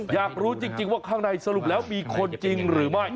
อยากรู้จริงว่าข้างในสรุปแล้วมีคนจริงหรือไม่